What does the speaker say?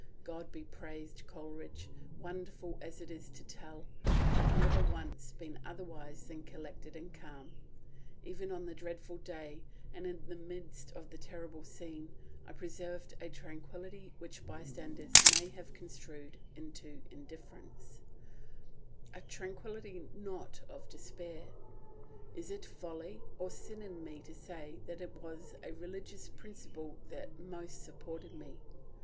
God be praised, Coleridge, wonderful as it is to tell, I have never once been otherwise than collected and calm; even on the dreadful day, and in the midst of the terrible scene, I preserved a tranquillity which bystanders may have construed into indifference—a tranquillity not of despair. Is it folly or sin in me to say that it was a religious principle that most supported me?...